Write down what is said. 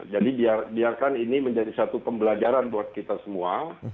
jadi biarkan ini menjadi satu pembelajaran buat kita semua